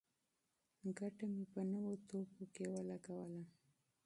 ګټه مې په نوو توکو کې ولګوله.